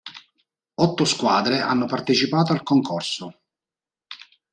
Otto squadre hanno partecipato al concorso.